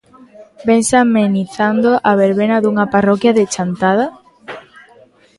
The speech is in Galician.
Vense amenizando a verbena dunha parroquia de Chantada?